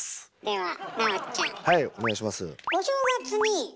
はいお願いします。